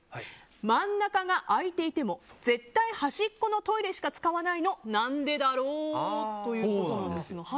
真ん中が空いていても絶対、端っこのトイレしか使わないの何でだろうということです。